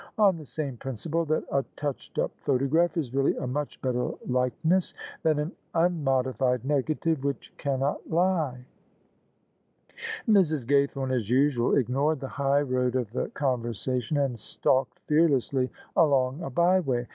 " On the same principle that a touched up photograph is really a much better likeness than an unmodified negative which cannot lie." [ 102 ] OF ISABEL CARNABY Mrs. Gajrtfaorae as usual ignored the hi^road of the conversation and stalked fearlessly along a by way.